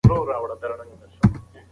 موږ خپله ژبه پالو.